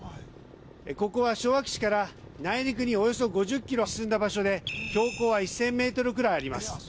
ここは昭和基地から内陸におよそ５０キロ進んだ場所で標高は１０００メートルぐらいあります。